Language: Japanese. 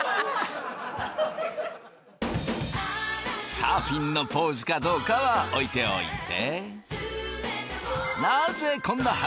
サーフィンのポーズかどうかは置いておいて。